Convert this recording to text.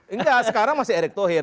enggak sekarang masih erick thohir